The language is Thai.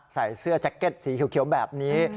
ใส่เสื้อแจ็คเก็ตสีเขียวแบบนี้